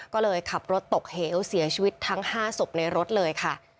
ก็เลยขับรถตกเหวเสียชีวิตทั้ง๕ศพในรถเลยค่ะ